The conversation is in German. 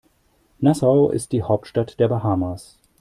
Nassau ist die Hauptstadt der Bahamas.